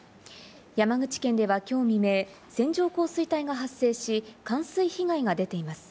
山口県ではきょう未明、線状降水帯が発生し、冠水被害が出ています。